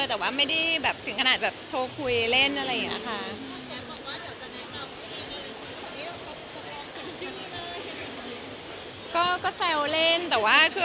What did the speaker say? แต่ไม่ได้ถึงกระหนักโทคุยเล่นหรอกนะคะ